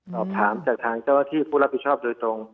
สอบถามจากทางเจ้าหน้าที่ผู้รับผิดชอบโดยตรง